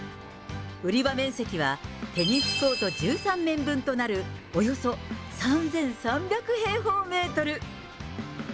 売り場面積はテニスコート１３面分となるおよそ３３００平方メートル。